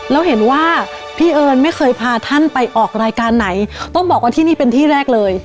แล้วเห็นว่าพี่เอิญไม่เคยพาท่านไปออกรายการไหนต้องบอกว่าที่นี่เป็นที่แรกเลย